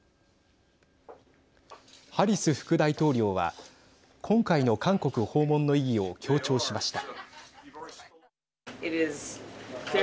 ハリス副大統領は今回の韓国訪問の意義を強調しました。